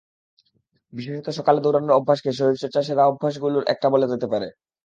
বিশেষত সকালে দৌড়ানোর অভ্যাসকে শরীরচর্চার সেরা অভ্যাসগুলোর একটা বলা যেতে পারে।